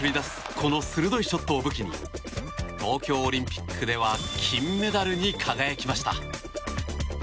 この鋭いショットを武器に東京オリンピックでは金メダルに輝きました。